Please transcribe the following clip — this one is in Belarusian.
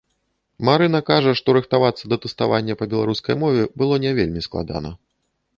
Марына кажа, што рыхтавацца да тэставання па беларускай мове было не вельмі складана.